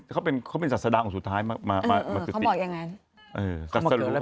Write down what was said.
คันอย่างนี้